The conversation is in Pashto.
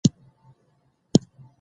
د غلجيو په قبيله کې توخي غټ قوم ده.